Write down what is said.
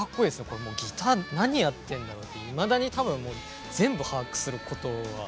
これギター何やってるんだろうっていまだに多分全部把握することは。